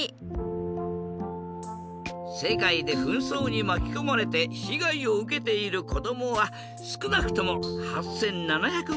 世界で紛争にまきこまれて被害を受けている子どもはすくなくとも８７００万人。